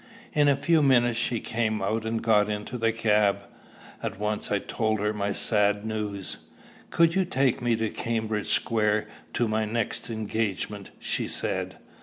In a few minutes she came out and got into the cab. At once I told her my sad news. "Could you take me to Cambridge Square to my next engagement?" she said.